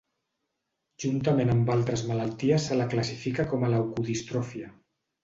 Juntament amb altres malalties se la classifica com a leucodistròfia.